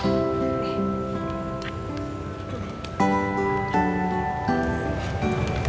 saya di sini mau pesen